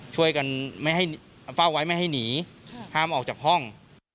ช่วยกันไม่ให้เฝ้าไว้ไม่ให้หนีห้ามออกจากห้อง